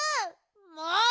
もう！